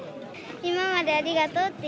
今までありがとうって。